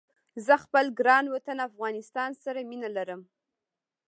زه خپل ګران وطن افغانستان سره مينه ارم